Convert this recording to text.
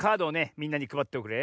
みんなにくばっておくれ。